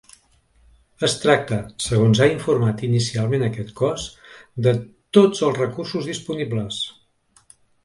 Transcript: Es tracta, segons ha informat inicialment aquest cos, de “tots els recursos disponibles”.